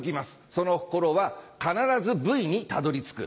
その心は必ずブイにたどり着く。